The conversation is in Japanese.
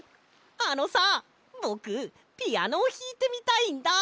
あのさぼくピアノをひいてみたいんだ。